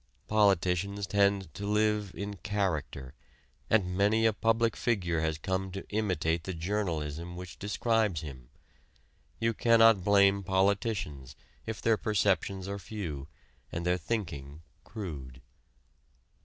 Politicians tend to live "in character," and many a public figure has come to imitate the journalism which describes him. You cannot blame politicians if their perceptions are few and their thinking crude.